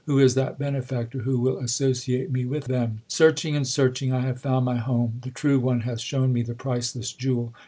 Who is that benefactor who will associate me with them ? Searching and searching I have found my home. The true one hath shown me the priceless jewel.